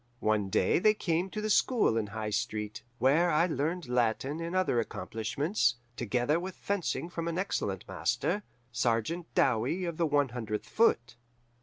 One day they came to the school in High Street, where I learned Latin and other accomplishments, together with fencing from an excellent master, Sergeant Dowie of the One Hundredth Foot.